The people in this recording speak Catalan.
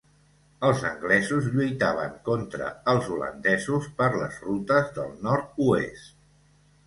Els anglesos lluitaven contra els holandesos per les rutes del nord-oest.